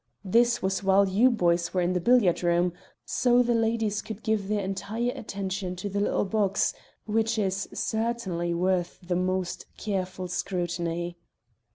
This was while you boys were in the billiard room, so the ladies could give their entire attention to the little box which is certainly worth the most careful scrutiny.